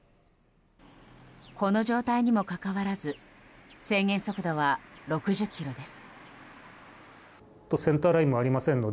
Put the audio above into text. この状態にもかかわらず制限速度は６０キロです。